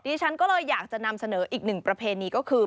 ฉันก็เลยอยากจะนำเสนออีกหนึ่งประเพณีก็คือ